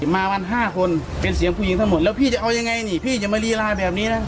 มากัน๕คนเป็นเสียงผู้หญิงทั้งหมดแล้วพี่จะเอายังไงนี่พี่อย่ามารีไลน์แบบนี้นะ